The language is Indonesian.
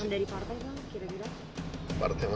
karena dari partai kira kira